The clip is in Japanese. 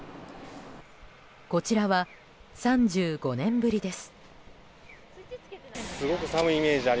こちらは３５年ぶりです。